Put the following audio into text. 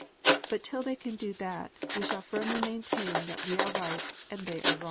But till they can do that, we shall firmly maintain that we are right and they are III.